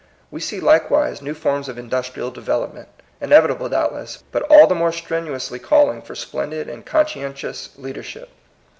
We see likewise new forms of industrial development, inevitable doubtless, but all the more strenuously calling for splendid and conscientious leadership.